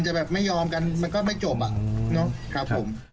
จะแบบไม่ยอมกันมันก็ไม่จบ